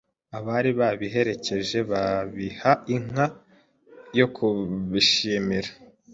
abari babiherekeje babiha inka yo kubishimira